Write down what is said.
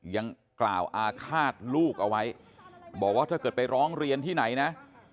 ยังกล่าวอาฆาตลูกเอาไว้บอกว่าถ้าเกิดไปร้องเรียนที่ไหนนะ